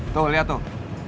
tuh liat tuh